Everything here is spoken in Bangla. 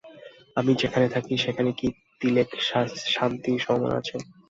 আমি যেখানে থাকি সেখানে কি তিলেক শান্তির সম্ভাবনা আছে?